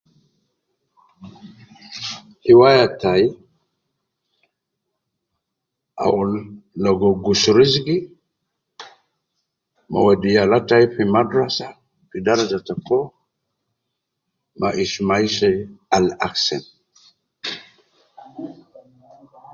Hiwaya tai ,awul logo gus rizigi, ma wedi yala tayi fi madrasa fi daraja ta foo ma ishi maisha al aksen.